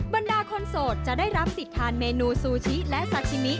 บรรดาคนโสดจะได้รับสิทธิ์ทานเมนูซูชิและซาชิมิ